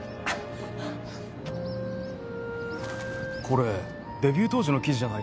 これデビュー当時の記事じゃないか？